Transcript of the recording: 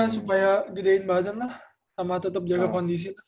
supaya gedein badan lah sama tetep jaga kondisi